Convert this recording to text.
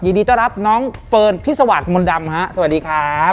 ยินดีต้อนรับน้องเฟิร์นพิสวัสดิมนต์ดำฮะสวัสดีครับ